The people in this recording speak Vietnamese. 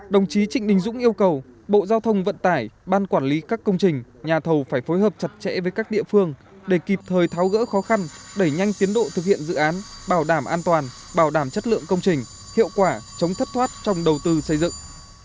đồng chí trịnh đình dũng yêu cầu bộ giao thông vận tải ban quản lý các công trình nhà thầu phải phối hợp chặt chẽ với các địa phương để kịp thời tháo gỡ khó khăn đẩy nhanh tiến độ thực hiện dự án bảo đảm an toàn bảo đảm chất lượng công trình hiệu quả chống thất thoát trong đầu tư xây dựng